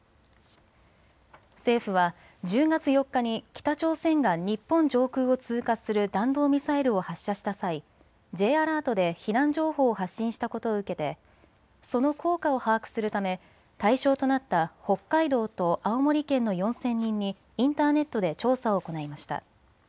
政府は１０月４日に北朝鮮が日本上空を通過する弾道ミサイルを発射した際、Ｊアラートで避難情報を発信したことを受けて、その効果を把握するため対象となった北海道と青森県の４０００人にインターネットで調査を行いました。